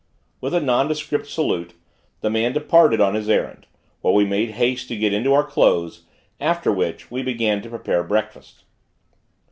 With a nondescript salute, the man departed on his errand; while we made haste to get into our clothes; after which, we began to prepare breakfast.